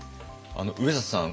上里さん